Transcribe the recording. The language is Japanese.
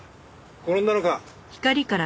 転んだのか？